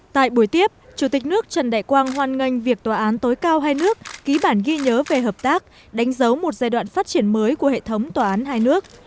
tại buổi tiếp chủ tịch nước trần đại quang hoàn ngành việc tòa án tối cao hai nước ký bản ghi nhớ về hợp tác đánh dấu một giai đoạn phát triển mới của hệ thống tòa án hai nước